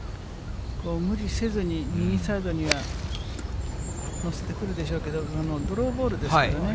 無理せずに、右サイドには乗せてくるでしょうけど、フォローボールですよね。